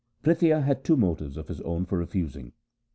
Prithia had two motives of his own for refusing.